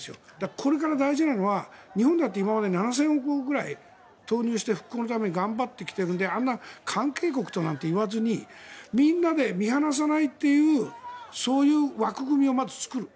これから大事なのは日本だって今まで７０００億円くらい投入して復興のために頑張ってきて関係国なんて言わずにみんなで見放さないというそういう枠組みをまず作る。